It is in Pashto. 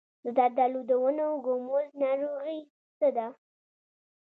د زردالو د ونو ګوموز ناروغي څه ده؟